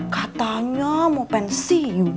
katanya mau pensiun